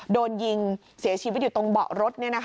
โดนยิงเสียชีวิตอยู่ตรงเบาะรถ